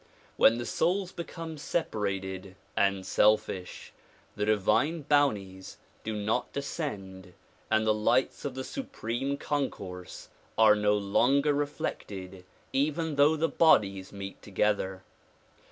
When the souls become separated and selfish the divine bounties do not descend and the lights of the Supreme Concourse are no longer reflected even though the bodies meet together.